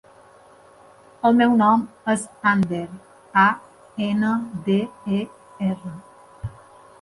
El meu nom és Ander: a, ena, de, e, erra.